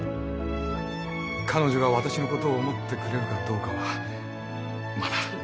彼女が私のことを思ってくれるかどうかはまだ。